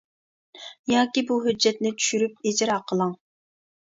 ياكى بۇ ھۆججەتنى چۈشۈرۈپ ئىجرا قىلىڭ.